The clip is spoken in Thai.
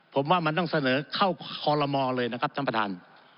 ผมว่ามันต้องเสนอเข้าคอลโลมอเลยนะครับท่านประธาน